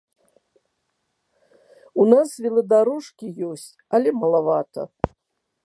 У нас веладарожкі ёсць, але малавата.